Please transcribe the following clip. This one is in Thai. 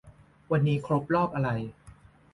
วันนี้ครบรอบอะไร